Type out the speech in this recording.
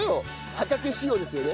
畑仕様ですよね？